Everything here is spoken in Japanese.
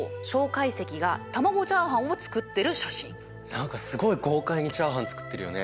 何かすごい豪快にチャーハン作ってるよね。